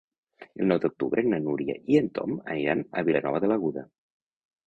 El nou d'octubre na Núria i en Tom aniran a Vilanova de l'Aguda.